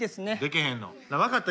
分かった。